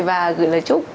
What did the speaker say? và gửi lời chúc